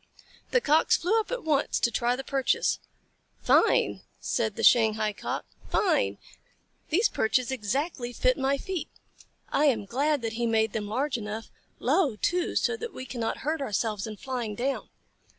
The Cocks flew up at once to try the perches. "Fine!" said the Shanghai Cock. "Fine! These perches exactly fit my feet. I am glad that he made them large enough. Low, too, so that we cannot hurt ourselves in flying down."